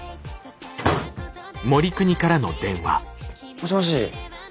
もしもし。